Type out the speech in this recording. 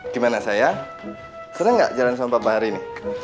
gimana sayang seron gak jalan sama papa hari ini